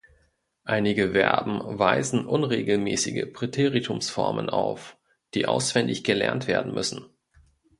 Einige Verben weisen unregelmäßige Präteritumsformen auf, die auswendig gelernt werden müssen.